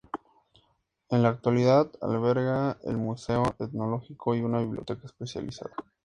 En la actualidad, alberga el Museo Etnológico y una biblioteca especializada.